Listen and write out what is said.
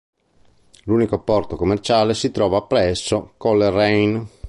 L'unico porto commerciale si trova presso Coleraine.